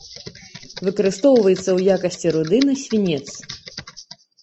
Выкарыстоўваецца ў якасці руды на свінец.